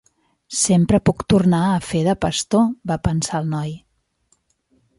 Sempre puc tornar a fer de pastor, va pensar el noi.